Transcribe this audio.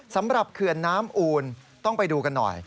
เขื่อนน้ำอูนต้องไปดูกันหน่อย